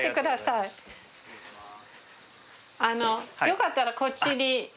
よかったらこっちに。